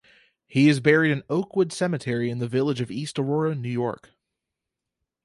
He is buried in Oakwood Cemetery in the Village of East Aurora, New York.